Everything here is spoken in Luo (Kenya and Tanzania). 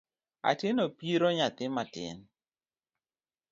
Atieno piro nyathi matin.